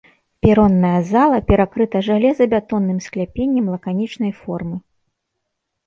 Перонная зала перакрыта жалезабетонным скляпеннем лаканічнай формы.